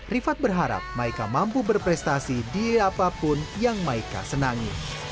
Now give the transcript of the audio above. rifat berharap maika mampu berprestasi di apapun yang maika senangi